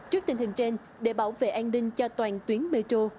trước tình hình trên để bảo vệ an ninh cho toàn tuyến metro